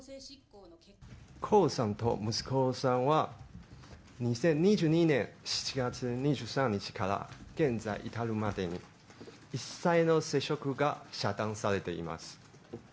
江さんと息子さんは２０２２年７月２３日から現在に至るまでに、一切の接触が遮断されています。